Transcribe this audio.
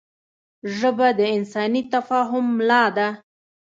ژبه د انساني تفاهم ملا ده